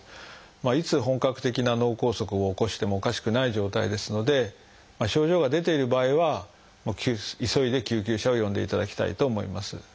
いつ本格的な脳梗塞を起こしてもおかしくない状態ですので症状が出ている場合は急いで救急車を呼んでいただきたいと思います。